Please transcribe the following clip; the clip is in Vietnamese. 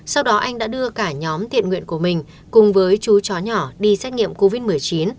sau đó anh đã đưa cả nhóm thiện nguyện của mình cùng với chú chó nhỏ đi xét nghiệm covid một mươi chín